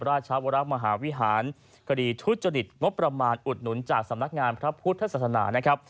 ราชวรมหาวิหารคดีทุจริตงบประมาณอุดหนุนจากสำนักงานพระพุทธศาสนานะครับ